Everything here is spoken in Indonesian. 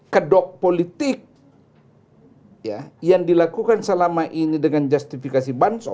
kedok politik yang dilakukan selama ini dengan justifikasi bansos